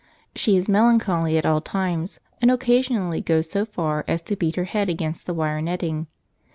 She is melancholy at all times, and occasionally goes so far as to beat her head against the wire netting.